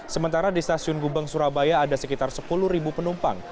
sementara di stasiun gubeng surabaya ada sekitar sepuluh penumpang